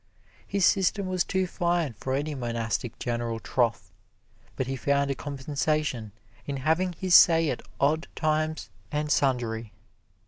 His system was too fine for any monastic general trough, but he found a compensation in having his say at odd times and sundry.